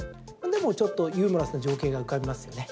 ちょっとユーモラスな情景が浮かびますよね。